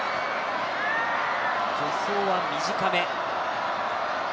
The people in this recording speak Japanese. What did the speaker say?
助走は短め。